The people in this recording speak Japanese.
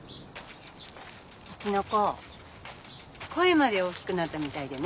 うちの子声まで大きくなったみたいでね。